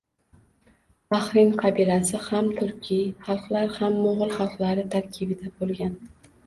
Bahrin qabilasi ham turkiy xalqlar, ham mo‘g‘ul xalqlari tarkibida bo‘lgan.